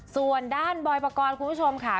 ส่วนด้านบ่อยประกอบคุณผู้ชมค่ะ